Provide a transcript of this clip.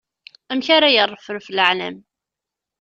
Amek ara iṛefṛef leɛlam?